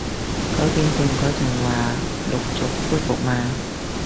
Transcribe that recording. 九點半嗰陣話陸續恢復嘛